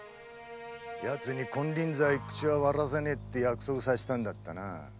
ヤツに金輪際口は割らねぇって約束させたんだったな。